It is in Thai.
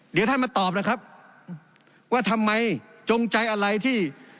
เดี๋ยวท่านมาตอบนะครับว่าทำไมจงใจอะไรที่